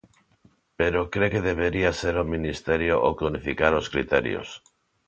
Pero cre que debería ser o Ministerio o que unificara os criterios.